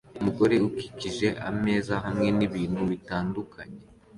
umugore ukikije ameza hamwe nibintu bitandukanye